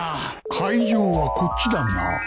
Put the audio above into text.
会場はこっちだな